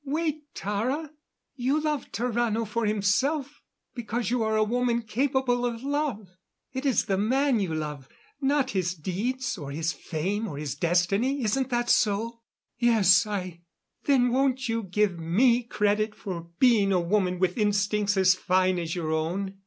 "Wait, Tara! You love Tarrano for himself because you are a woman capable of love. It is the man you love not his deeds, or his fame or his destiny. Isn't that so?" "Yes. I " "Then won't you give me credit for being a woman with instincts as fine as your own?